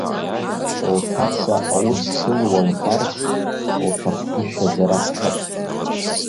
Лҭаца аус шылуа лбарц лҭахгәышьазар акәхап!